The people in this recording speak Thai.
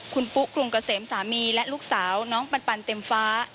คุณปุ๊กรุงเกษมสามีและลูกสาวน้องปันเต็มฟ้า